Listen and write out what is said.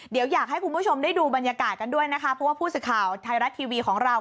เดี๋ยวอยากให้คุณผู้ชมได้ดูบรรยากาศกันด้วยนะคะเพราะว่าผู้สื่อข่าวไทยรัฐทีวีของเรา